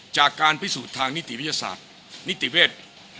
จากการพิสูจน์ทางนิติวิทยาศาสตร์นิติเวช